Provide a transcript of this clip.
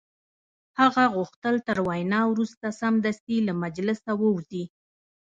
هغه غوښتل تر وینا وروسته سمدستي له مجلسه ووځي